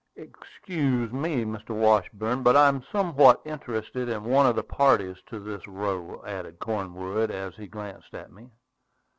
"Excuse me, Mr. Washburn; but I am somewhat interested in one of the parties to this row," added Cornwood, as he glanced at me.